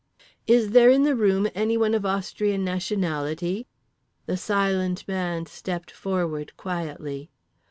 "Is there in the room anyone of Austrian nationality?" The Silent Man stepped forward quietly.